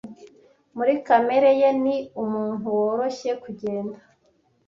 Muri kamere ye ni umuntu woroshye kugenda.